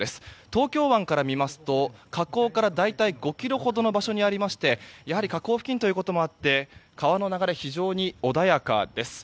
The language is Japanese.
東京湾から見ますと河口から大体５ｋｍほどの場所にありましてやはり河口付近ということもあって川の流れは非常に穏やかです。